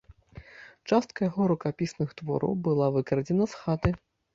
Частка яго рукапісных твораў была выкрадзена з хаты.